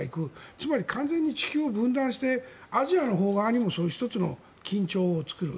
つまり、完全に地球を分断してアジアのほうにも１つの緊張を作る。